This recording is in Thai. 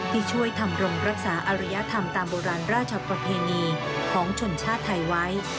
ที่ช่วยทำรมรักษาอริยธรรมตามโบราณราชประเพณีของชนชาติไทยไว้